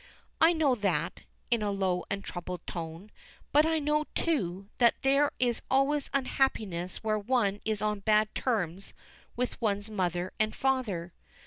"I know that," in a low and troubled tone, "but I know, too, that there is always unhappiness where one is on bad terms with one's father and mother."